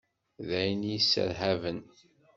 D ayen i y-isserhaben.